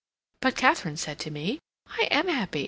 But Katharine said to me, 'I am happy.